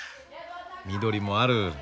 緑もある。